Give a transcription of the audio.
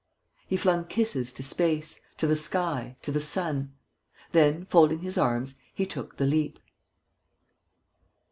He flung kisses to space, to the sky, to the sun. ... Then, folding his arms, he took the leap.